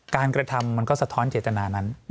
กระทำมันก็สะท้อนเจตนานั้น